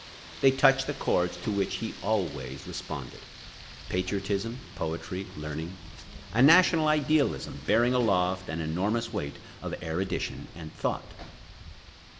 They touch the chords to which he always responded—patriotism, poetry, learning, a national idealism bearing aloft an enormous weight of erudition and thought.